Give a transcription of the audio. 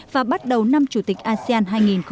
và bắt đầu năm chủ tịch asean hai nghìn hai mươi